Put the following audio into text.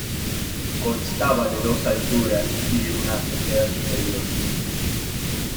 Constaba de dos alturas y una azotea superior.